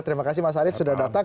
terima kasih mas arief sudah datang